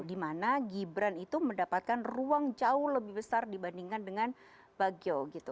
dimana gibran itu mendapatkan ruang jauh lebih besar dibandingkan dengan bagyo gitu